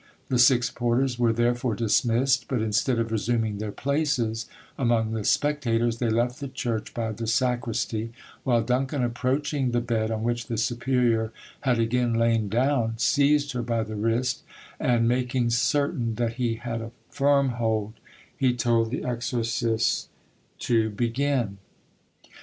The six porters were therefore dismissed, but instead of resuming their places among the spectators they left the church by the sacristy, while Duncan approaching the bed on which the superior had again lain down, seized her by the wrist, and making certain that he had a firm hold, he told the exorcists to begin.